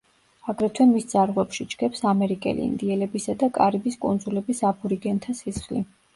აგრეთვე მის ძარღვებში ჩქეფს ამერიკელი ინდიელებისა და კარიბის კუნძულების აბორიგენთა სისხლი.